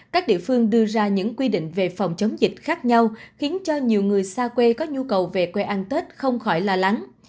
các địa phương đưa ra những quy định về phòng chống dịch khác nhau khiến cho nhiều người xa quê có nhu cầu về quê ăn tết không khỏi lo lắng